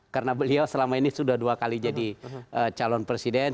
karena beliau selama ini sudah dua kali jadi calon presiden